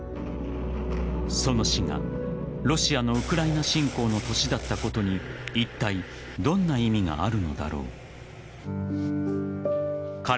その死がロシアのウクライナ侵攻の年だったことにいったいどんな意味があるのだろうか。